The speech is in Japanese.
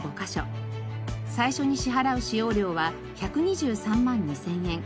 最初に支払う使用料は１２３万２０００円。